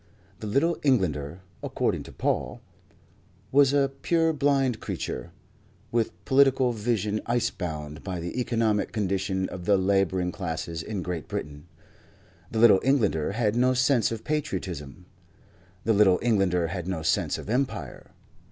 The Little Englander (according to Paul) was a purblind creature, with political vision ice bound by the economic condition of the labouring classes in Great Britain. The Little Englander had no sense of patriotism. The Little Englander had no sense of Empire.